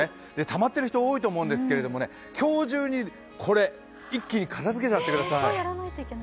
たまっている人、多いと思うんですけれども今日中に一気に片づけちゃってください。